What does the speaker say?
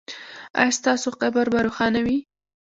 ایا ستاسو قبر به روښانه وي؟